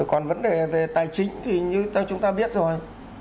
còn vấn đề về tài chính thì như theo chúng ta biết rồi